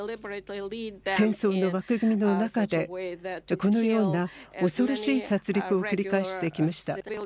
戦争の枠組みの中でこのような恐ろしい殺りくを繰り返してきました。